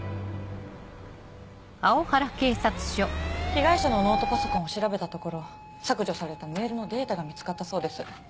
被害者のノートパソコンを調べたところ削除されたメールのデータが見つかったそうです。